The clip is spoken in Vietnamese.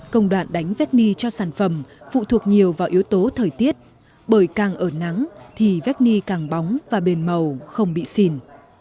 công đoạn đánh vét ni cho sản phẩm phụ thuộc nhiều vào yếu tố thời tiết bởi càng ở nắng thì vét ni càng bóng và bền màu không bị xìn